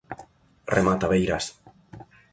Remata Beiras.